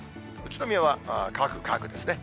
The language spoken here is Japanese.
宇都宮は乾く、乾くですね。